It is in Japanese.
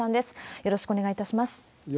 よろしくお願いします。